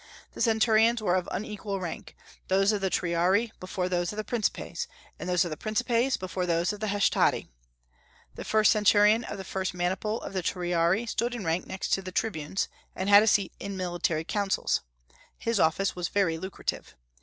The centurions were of unequal rank, those of the Triarii before those of the Principes, and those of the Principes before those of the Hastati. The first centurion of the first maniple of the Triarii stood next in rank to the tribunes, and had a seat in the military councils. His office was very lucrative.